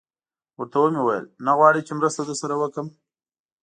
ورته ومې ویل: نه غواړئ چې مرسته در سره وکړم؟